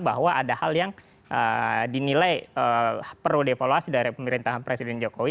bahwa ada hal yang dinilai perlu dievaluasi dari pemerintahan presiden jokowi